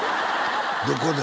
どこで？